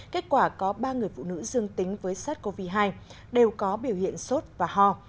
kết quả có ba người phụ nữ dương tính với sars cov hai đều có biểu hiện sốt và ho